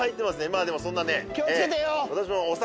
まぁでもそんなねええ。